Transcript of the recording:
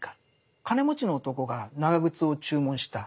金持ちの男が長靴を注文した。